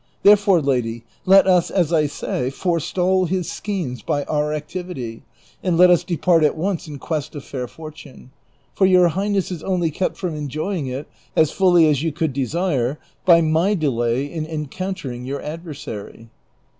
Therefore, lady, let us, as I say, forestall his schemes by our activity, and let us depart at once in quest of fair fortune ; for your highness is only kept from enjoying it as fully as you could desire by my delay in encountering your adversary."